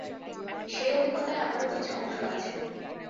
সেই অভিজ্ঞতায় আমারও কিছু অংশ আছে।